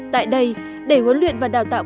tại đây để huấn luyện và đào tạo